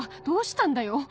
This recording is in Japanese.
どうしたんだよ